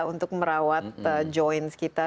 untuk merawat joints kita